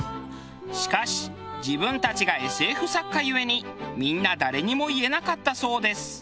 しかし自分たちがＳＦ作家ゆえにみんな誰にも言えなかったそうです。